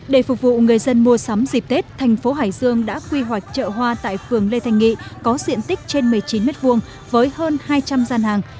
để phục vụ người dân mua sắm dịp tết thành phố hải dương đã quy hoạch chợ hoa tại phường lê thành nghị có diện tích trên một mươi chín m hai với hơn hai trăm linh gian hàng